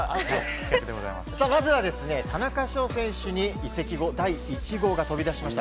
中田翔選手に移籍後第１号が飛び出しました。